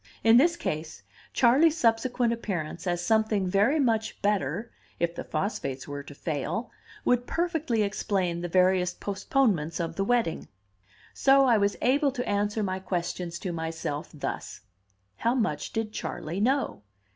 In this case, Charley's subsequent appearance as something very much better (if the phosphates were to fail) would perfectly explain the various postponements of the wedding. So I was able to answer my questions to myself thus: How much did Charley know?